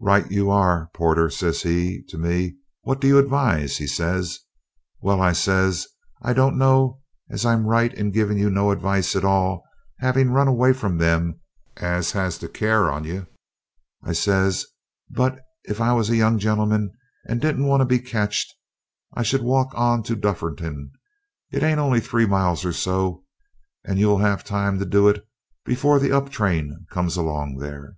'Right you are, porter,' says he to me, 'what do you advise?' he says. 'Well,' I says, 'I don't know as I'm right in givin' you no advice at all, havin' run away from them as has the care on you,' I says; 'but if I was a young gen'leman as didn't want to be ketched, I should just walk on to Dufferton; it ain't on'y three mile or so, and you'll 'ave time for to do it before the up train comes along there.'